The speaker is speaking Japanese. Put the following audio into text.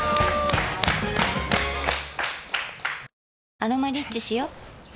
「アロマリッチ」しよ